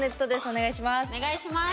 お願いします。